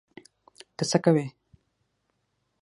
ته څه کوی؟